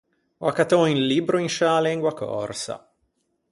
Ò accattou un libbro in sciâ lengua còrsa.